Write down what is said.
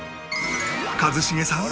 一茂さん